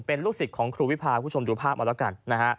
เป็นลูกศิษย์ของครูวิพาคุณผู้ชมดูภาพมาแล้วกันนะฮะ